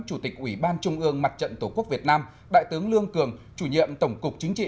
chủ tịch ủy ban trung ương mặt trận tổ quốc việt nam đại tướng lương cường chủ nhiệm tổng cục chính trị